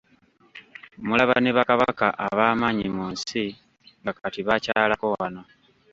Mulaba ne Bakabaka ab'amaanyi mu nsi nga kati baakyalako wano.